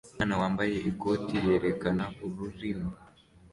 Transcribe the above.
Umwana wambaye ikoti yerekana ururimi